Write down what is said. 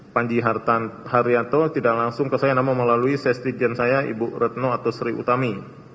panji hartan haryanto tidak langsung kesayangan melalui sesitian saya ibu retno atau sri utami